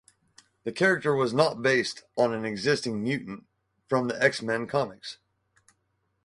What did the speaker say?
The character was not based on an existing mutant from the X-Men comics.